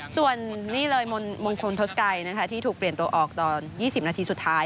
ส่วนนี่เลยมงคลทศกัยที่ถูกเปลี่ยนตัวออกตอน๒๐นาทีสุดท้าย